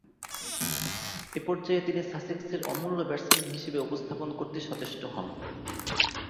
এ পর্যায়ে তিনি সাসেক্সের অমূল্য ব্যাটসম্যান হিসেবে উপস্থাপন করতে সচেষ্ট হন।